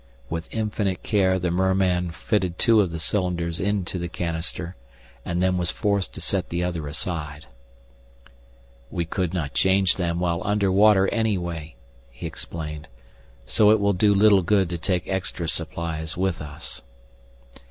With infinite care the merman fitted two of the cylinders into the canister and then was forced to set the other aside. "We could not change them while under water anyway," he explained. "So it will do little good to take extra supplies with us."